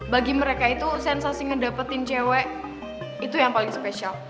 bagi mereka itu sensasi ngedapetin cewek itu yang paling spesial